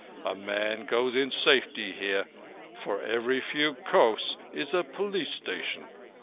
A man goes in safety here for at every few kos is a police station.